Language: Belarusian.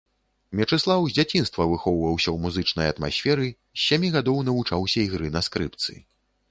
Мечыслаў з дзяцінства выхоўваўся ў музычнай атмасферы, з сямі гадоў навучаўся ігры на скрыпцы.